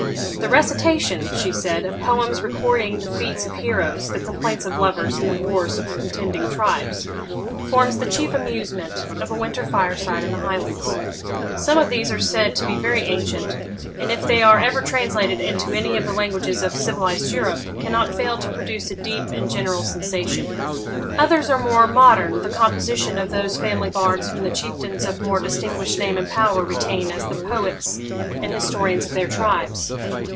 'The recitation,' she said, 'of poems recording the feats of heroes, the complaints of lovers, and the wars of contending tribes, forms the chief amusement of a winter fire side in the Highlands. Some of these are said to be very ancient, and if they are ever translated into any of the languages of civilised Europe, cannot fail to produce a deep and general sensation. Others are more modern, the composition of those family bards whom the chieftains of more distinguished name and power retain as the poets and historians of their tribes.